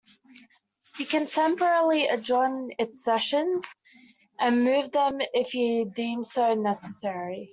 He can temporarily adjourn its sessions and move them if he deems so necessary.